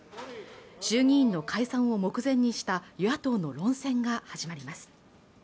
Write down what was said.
衆議院の解散を目前にした与野党の論戦が始まります